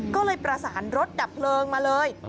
ก็เลยประสานรถดับเพลิงมาเลย